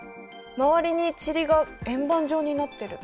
周りに塵が円盤状になってる。